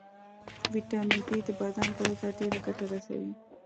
ويټامین ډي د بدن غړو ته ډېره ګټه رسوي